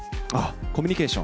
コミュニケーション？